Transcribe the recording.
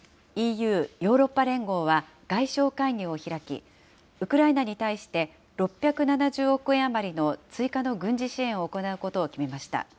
ＥＵ・ヨーロッパ連合は外相会議を開き、ウクライナに対して、６７０億円余りの追加の軍事支援を行うことを決めました。